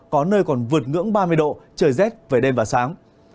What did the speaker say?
có nơi còn vượt ngưỡng ba mươi độ trời rét về đêm và sáng